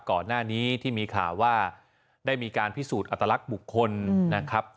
ก่อนหน้านี้ที่มีข่าวว่าได้มีการพิสูจน์อัตลักษณ์บุคคลนะครับ